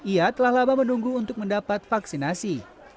ia telah lama menunggu untuk mendapat vaksinasi